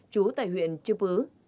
chú tại huyện trước bứ